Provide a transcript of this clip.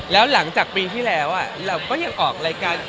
แล้วหลังจากปีที่แล้วเราก็ยังออกรายการ